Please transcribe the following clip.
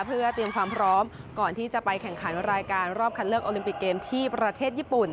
เพื่อเตรียมความพร้อมก่อนที่จะไปแข่งขันรายการรอบคัดเลือกโอลิมปิกเกมที่ประเทศญี่ปุ่น